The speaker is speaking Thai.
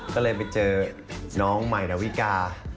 ก็เลยไปเจอน้องใหม่ดาวิกา